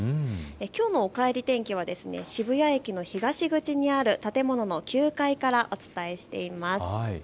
きょうのおかえり天気は渋谷駅の東口にある建物の９階からお伝えしています。